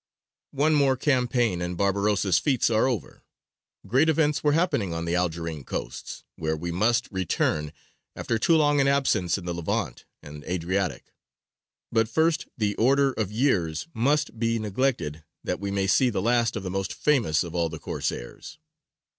One more campaign and Barbarossa's feats are over. Great events were happening on the Algerine coasts, where we must return after too long an absence in the Levant and Adriatic: but first the order of years must be neglected that we may see the last of the most famous of all the Corsairs.